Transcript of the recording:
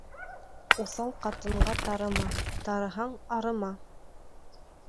Уҫал ҡатынға тарыма, тарыһаң арыма.